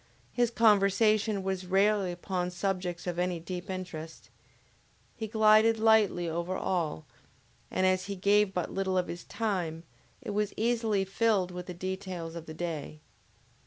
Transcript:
His conversation was rarely upon subjects of any deep interest. He glided lightly over all, and as he gave but little of his time, it was easily filled with the details of the day.